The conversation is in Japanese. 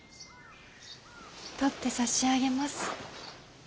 取ってさしあげます。